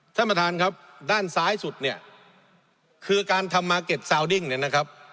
ท่านประธานครับด้านซ้ายสุดเนี่ยคือการทำมาร์เก็ตซาวดิ้งเนี่ยนะครับ